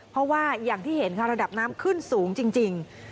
เพราะว่าอย่างที่เห็นค่ะระดับน้ำขึ้นสูงจริง